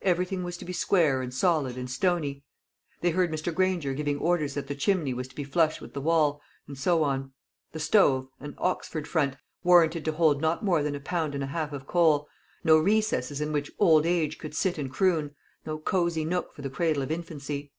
Everything was to be square and solid and stony. They heard Mr. Granger giving orders that the chimney was to be flush with the wall, and so on; the stove, an "Oxford front," warranted to hold not more than a pound and a half of coal; no recesses in which old age could sit and croon, no cosy nook for the cradle of infancy.